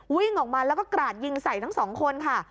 วิ่งออกมาแล้วก็กราดยิงใส่ทั้งสองคนค่ะ